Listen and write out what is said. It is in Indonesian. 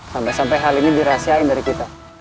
sampai sampai hal ini dirahasiain dari kita